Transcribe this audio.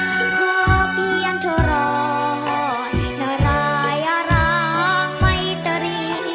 ขอเพียงทุกรอดอย่าร้ายอย่ารักไม่ตรี